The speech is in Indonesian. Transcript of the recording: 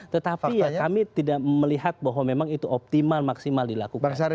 tetapi ya kami tidak melihat bahwa memang itu optimal maksimal dilakukan